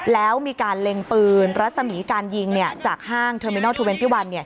แล้วมีการเล็งปืนรัศนีการยิงจากห้างเทอร์มินัล๒๑